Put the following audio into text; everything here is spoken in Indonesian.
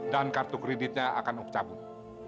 dan kartu kreditnya akan om cabut